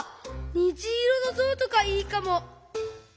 にじいろのゾウとかいいかも。